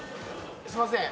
すみません